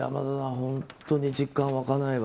本当に実感が湧かないわ。